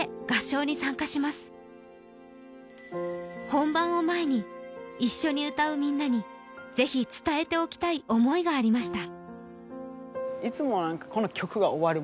本番を前に、一緒に歌うみんなにぜひ伝えておきたい思いがありました。